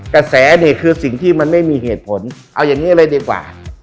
กระแสนี่คือสิ่งที่มันไม่มีเหตุผลเอาอย่างนี้เลยดีกว่า